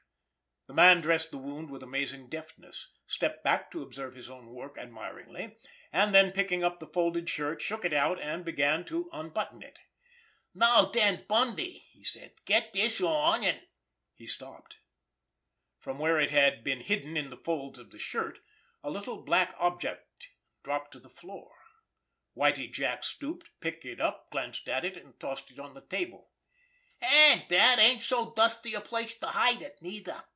The man dressed the wound with amazing deftness, stepped back to observe his own work admiringly, and then, picking up the folded shirt, shook it out, and began to unbutton it. "Now den, Bundy," he said, "get dis on, an'——" He stopped. From where it had been hidden in the folds of the shirt, a little black object dropped to the floor. Whitie Jack stooped, picked it up, glanced at it, and tossed it on the table. "An' dat ain't so dusty a place to hide it, neither!"